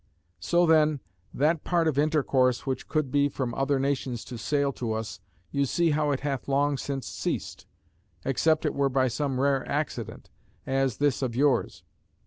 So then, that part of intercourse which could be from other nations to sail to us, you see how it hath long since ceased; except it were by some rare accident, as this of yours.